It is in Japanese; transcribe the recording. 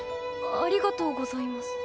ありがとうございます。